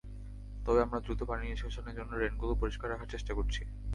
তবে আমরা দ্রুত পানি নিষ্কাশনের জন্য ড্রেনগুলো পরিষ্কার রাখার চেষ্টা করছি।